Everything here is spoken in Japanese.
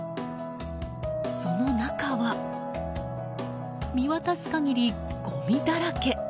その中は、見渡す限りごみだらけ。